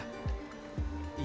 khususnya bagi kalangan yang terbaik